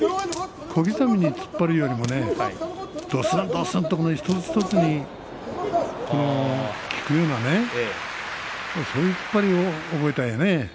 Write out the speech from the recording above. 小刻みに突っ張るよりもどすんどすんと一つ一つに効くようなねそういう突っ張りを覚えたいね。